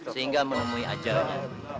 sehingga menemui ajalnya